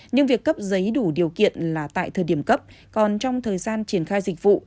nhưng việc cấp giấy đủ điều kiện là tại thời điểm cấp còn trong thời gian triển khai dịch vụ